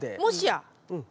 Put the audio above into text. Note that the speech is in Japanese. もしや。